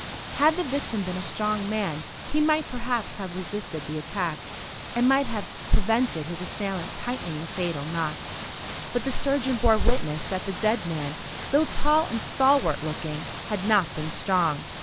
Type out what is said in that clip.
Had the victim been a strong man he might perhaps have resisted the attack, and might have prevented his assailant tightening the fatal knot; but the surgeon bore witness that the dead man, though tall and stalwart looking, had not been strong.